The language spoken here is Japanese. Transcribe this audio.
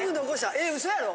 えウソやろ？